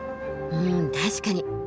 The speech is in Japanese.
うん確かに！